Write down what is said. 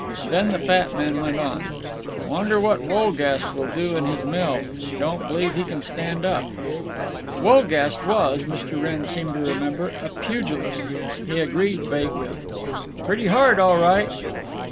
Then the fat man went on: "Wonder what Wolgast will do in his mill? Don't believe he can stand up." Wolgast was, Mr. Wrenn seemed to remember, a pugilist. He agreed vaguely: "Pretty hard, all right."